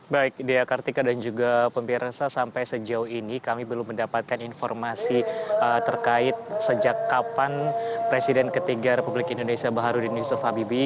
baik dea kartika dan juga pemirsa sampai sejauh ini kami belum mendapatkan informasi terkait sejak kapan presiden ketiga republik indonesia baharudin yusuf habibie